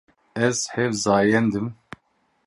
Ez hevzayend im.